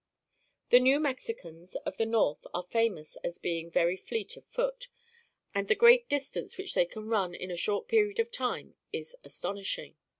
The New Mexicans of the north are famous as being very fleet of foot, and the great distance which they can run in a short period of time is astonishing.